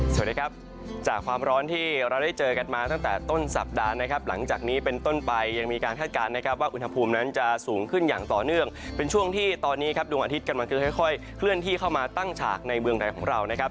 สวัสดีครับจากความร้อนที่เราได้เจอกันมาตั้งแต่ต้นสัปดาห์นะครับหลังจากนี้เป็นต้นไปยังมีการคาดการณ์นะครับว่าอุณหภูมินั้นจะสูงขึ้นอย่างต่อเนื่องเป็นช่วงที่ตอนนี้ครับดวงอาทิตย์กำลังจะค่อยเคลื่อนที่เข้ามาตั้งฉากในเมืองไทยของเรานะครับ